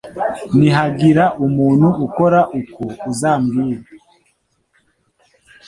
nihagira umuntu ukora uko uzambwire